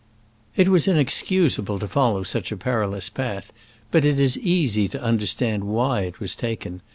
It was inexcusable to follow such a perilous path, but it is easy to under stand why it was taken.